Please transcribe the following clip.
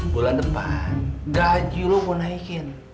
bulan depan gaji lu mau naikin